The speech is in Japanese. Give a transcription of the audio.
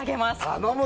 頼む！